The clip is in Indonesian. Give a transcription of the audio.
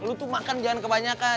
lu tuh makan jangan kebanyakan